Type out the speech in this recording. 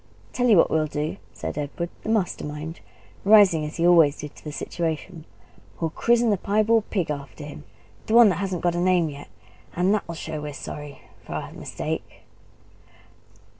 "I'll tell you what we'll do," said Edward, the master mind, rising as he always did to the situation: "We'll christen the piebald pig after him the one that hasn't got a name yet. And that'll show we're sorry for our mistake!"